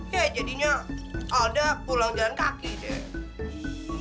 ya jadinya alda pulang jalan kaki deh